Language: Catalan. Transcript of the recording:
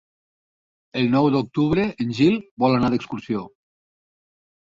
El nou d'octubre en Gil vol anar d'excursió.